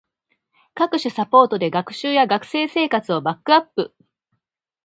各種サポートで学習や学生生活をバックアップ